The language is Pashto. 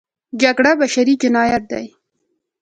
جګړه بشري جنایت دی.